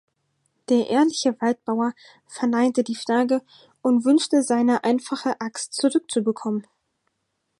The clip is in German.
Der ehrliche Waldbauer verneinte die Frage und wünschte seine einfache Axt zurückzubekommen.